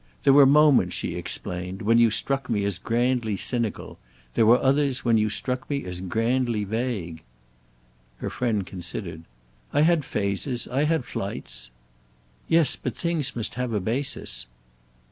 There were moments," she explained, "when you struck me as grandly cynical; there were others when you struck me as grandly vague." Her friend considered. "I had phases. I had flights." "Yes, but things must have a basis."